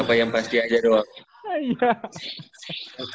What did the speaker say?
apa yang pasti aja doang